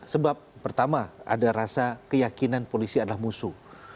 sebab pertama ada rasa keyakinan polisi adalah musuh